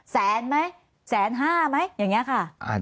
แสนหมี้แสนห้า้มั้ยอย่างนี้ค่ะ